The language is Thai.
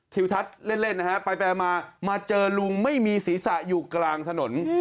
ทิวทัศน์เล่นเล่นฮะแปลแปลมามาเจอลุงไม่มีศีรษะอยู่กลางถนน